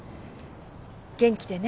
元気でね。